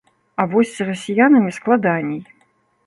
А вось з расіянамі складаней.